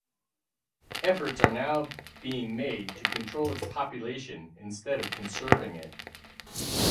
Efforts are now being made to control its population instead of conserving it.